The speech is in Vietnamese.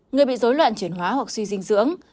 người bị dối loạn chuyển hóa hoặc suy dinh dưỡng